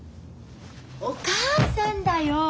お母さんだよ。